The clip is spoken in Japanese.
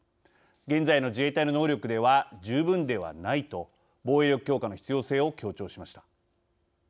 現在の自衛隊の能力では十分ではない」と防衛力強化の必要性を強調しました。